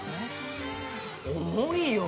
重いよ！